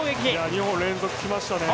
２本連続、来ましたね。